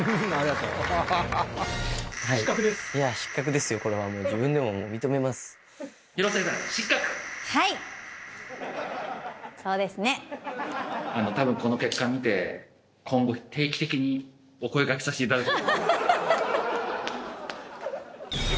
たぶん、この結果見て、今後、定期的にお声がけさせていただくと。